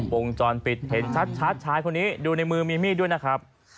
วงจรปิดเห็นชัดชายคนนี้ดูในมือมีมีดด้วยนะครับ